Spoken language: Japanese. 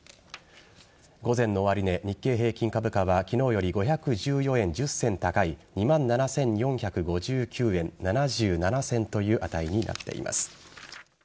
午前の終値日経平均株価は昨日より５１４円１０銭高い２万７４５９円７７銭という値になっています。